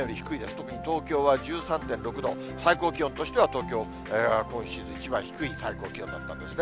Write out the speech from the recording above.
特に東京は１３．６度、最高気温としては、東京、今シーズン一番低い最高気温だったんですね。